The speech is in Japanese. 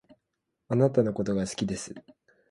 貴方のことが好きです